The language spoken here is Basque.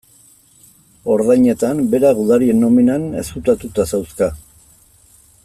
Ordainetan, berak gudarien nominan ezkutatuta zauzka.